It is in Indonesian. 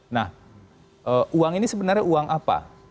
nah uang ini sebenarnya uang apa